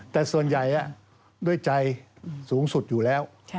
แต่ส่วนใหญ่ด้วยใจสูงสุดอยู่แล้ว